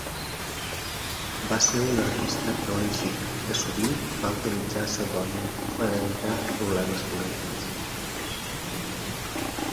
Va ser un artista prolífic que sovint va utilitzar pseudònim per a evitar problemes polítics.